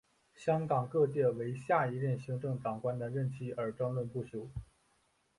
香港各界为下一任行政长官的任期而争论不休。